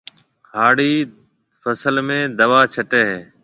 هاڙِي فصل ۾ دوا ڇٽيَ هيَ۔